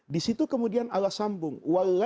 disitu kemudian allah sambung